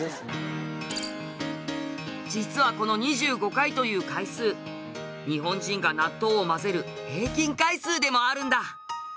実はこの２５回という回数日本人が納豆を混ぜる平均回数でもあるんだ。